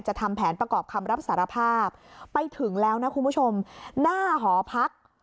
ทำแผนประกอบคำรับสารภาพไปถึงแล้วนะคุณผู้ชมหน้าหอพัก